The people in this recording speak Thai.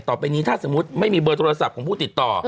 ต่อไปนี้ถ้าสมมุติไม่มีเบอร์โทรศัพท์ของผู้ติดต่อ